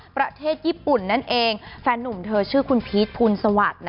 ประเทศญี่ปุ่นนั่นเองแฟนหนุ่มเธอชื่อคุณพีชภูมิสวัสดิ์